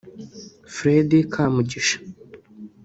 Fred Kamugisha